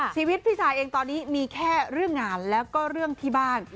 ชีวิตพี่ซายเองตอนนี้มีแค่เรื่องงานแล้วก็เรื่องที่บ้าน